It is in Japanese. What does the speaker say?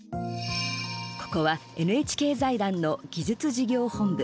ここはＮＨＫ財団の技術事業本部。